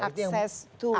akses to tanah